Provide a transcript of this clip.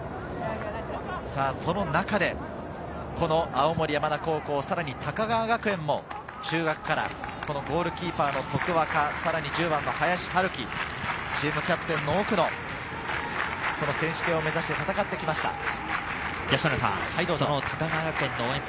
その中で、青森山田高校、さらに高川学園も中学からゴールキーパーの徳若、さらに１０番の林晴己、チームキャプテンの奥野。選手権を目指して戦ってきました。